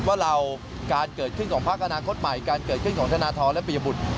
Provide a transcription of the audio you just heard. ว่าเราการเกิดขึ้นของพักอนาคตใหม่การเกิดขึ้นของธนทรและปียบุตร